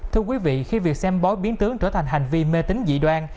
thưa quý vị khi việc xem bói biến tướng trở thành hành vi mê tính dị đoan